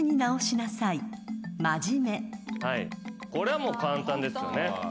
これはもう簡単ですよね。